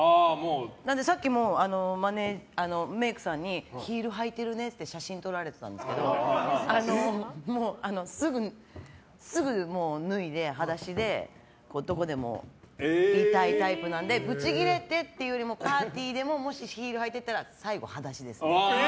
なのでさっきも、メイクさんにヒール履いてるねって写真撮られてたんですけどもう、すぐ脱いで、裸足でどこでもいたいタイプなのでブチギレてというよりもパーティーでももしヒール履いていたら最後、裸足です。